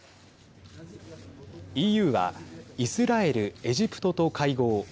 ＥＵはイスラエル、エジプトと会合。